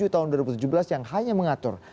tahun dua ribu tujuh belas yang hanya mengatur